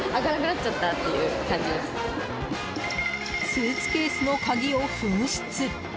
スーツケースの鍵を紛失。